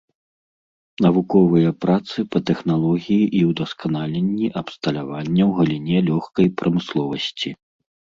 Навуковыя працы па тэхналогіі і ўдасканаленні абсталявання ў галіне лёгкай прамысловасці.